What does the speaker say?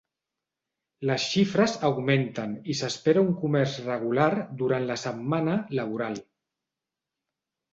Les xifres augmenten i s"espera un comerç regular durant la setmana laboral.